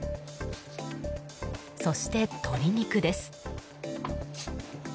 そして鶏肉です。